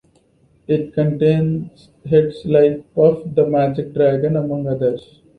It contains hits like "Puff the Magic Dragon" among others.